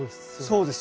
そうです。